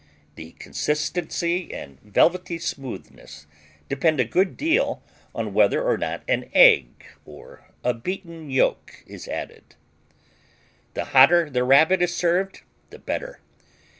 The consistency and velvety smoothness depend a good deal on whether or not an egg, or a beaten yolk, is added. The hotter the Rabbit is served, the better.